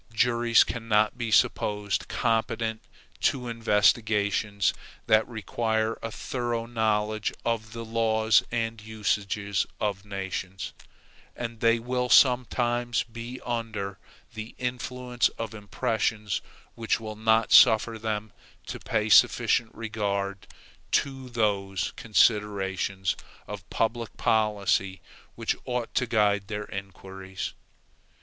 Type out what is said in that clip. Juries cannot be supposed competent to investigations that require a thorough knowledge of the laws and usages of nations; and they will sometimes be under the influence of impressions which will not suffer them to pay sufficient regard to those considerations of public policy which ought to guide their inquiries.